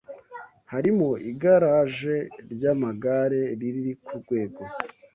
Harimo igaraje ry’amagare riri ku rwego